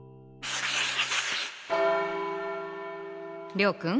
諒君